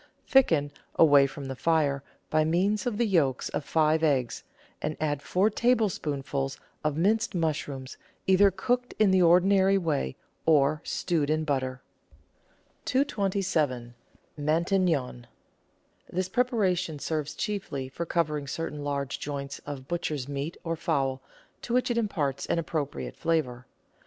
Thicken, away from the fire, by means of the yolks of five eggs, and add four tablespoonfuls of minced mush rooms, either cooked in the ordinary way or stewed in butter. 227— MATIQNON This preparation serves chiefly for covering certain large joints of butcher's meat, or fowl, to which it imparts an appro priate flavour.